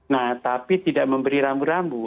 nah tapi tidak memberi rambu rambu